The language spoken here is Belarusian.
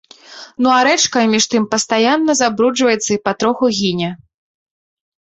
Ну а рэчка між тым пастаянна забруджваецца і патроху гіне.